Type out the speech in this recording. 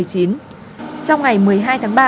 trong ngày một mươi hai tháng ba